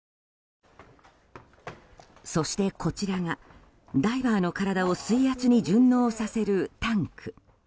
そして、こちらがダイバーの体を水圧に順応させるタンク。